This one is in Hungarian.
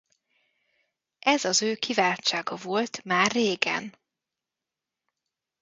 Ez az ő kiváltsága volt már régen.